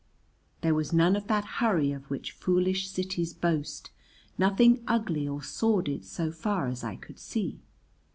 There was none of that hurry of which foolish cities boast, nothing ugly or sordid so far as I could see.